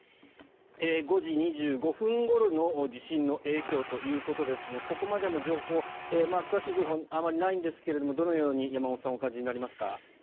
５時２５分ごろの地震の影響ということですがここまでの情報詳しい情報あまりないんですがどのように山本さんお感じになりますか？